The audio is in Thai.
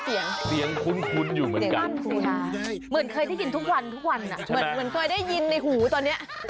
เหมือนเคยได้ยินทุกวันอะเหมือนเคยได้ยินในหูตอนนี้